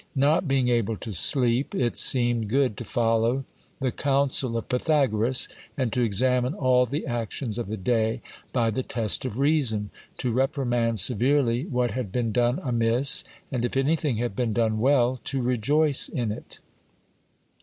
Not being able to sleep, it seemed good to follow the counsel of Pythagoras, and to examine all the actions of the day by the test of reason ; to reprimand severely what had been done amiss, and if anything had been done well, to rejoice in it.